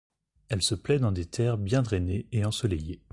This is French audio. Elle se plaît dans des terres bien drainées et ensoleillées.